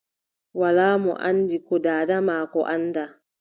Walaa mo anndi ko daada maako anndaa.